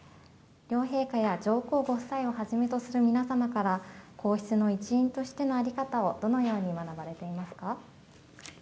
両陛下や上皇ご夫妻をはじめとする皆様から皇室の一員としての在り方をどのように学ばれていますか？